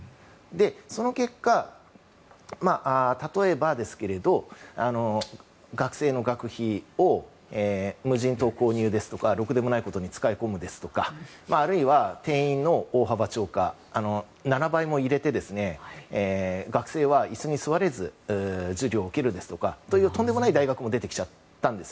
その結果、例えばですが学生の学費を無人島購入ですとかろくでもないことに使い込むですとかあるいは定員の大幅超過７倍も入れて学生は椅子に座れず授業を受けるですとかとんでもない大学も出てきちゃったんです